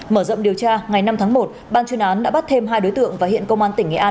mở rộng điều tra ngày năm tháng một ban chuyên án đã bắt thêm hai đối tượng và hiện công an tỉnh nghệ an